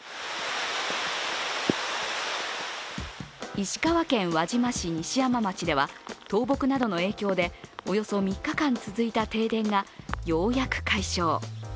石川県輪島市西山町では倒木などの影響でおよそ３日間続いた停電がようやく解消。